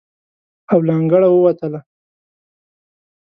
او له انګړه ووتله.